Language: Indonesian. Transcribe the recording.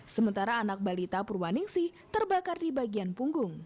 sementara anak balita purwaningsih terbakar di bagian punggung